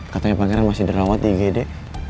katanya pangeran masih dirawat di igd